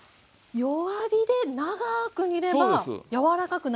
弱火で長く煮れば柔らかくなるんですね。